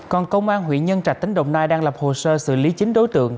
còn công an huyện nhân trạch tỉnh đồng nai đang lập hồ sơ xử lý chính đối tượng